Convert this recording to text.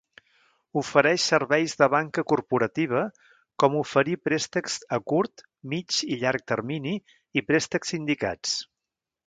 Ofereix serveis de banca corporativa com oferir préstecs a curt, mig i llarg termini i préstecs sindicats.